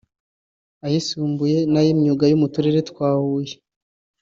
ayisumbuye n’ay’imyuga yo mu Turere twa Huye